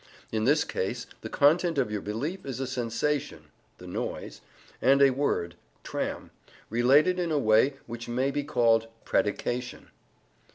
In this case the content of your belief is a sensation (the noise) and a word ("tram") related in a way which may be called predication.